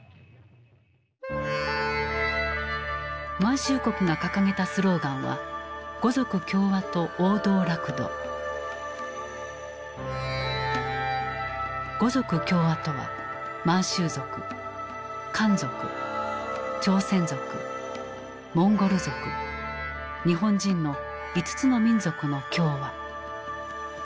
満州国が掲げたスローガンは「五族協和」とは満州族漢族朝鮮族モンゴル族日本人の５つの民族の協和。